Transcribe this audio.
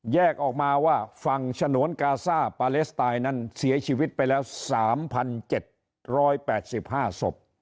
แยกออกมาว่าฝั่งฉนวนกาซ่าปาเลสไตน์นั้นเสียชีวิตไปแล้ว๓๗๘๕ศพ